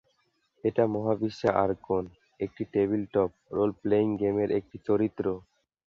এই মহাবিশ্বে, আর্কন একটি টেবিলটপ রোলপ্লেয়িং গেমের একটি চরিত্র।